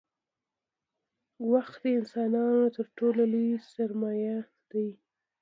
• وخت د انسانانو تر ټولو لوی سرمایه دی.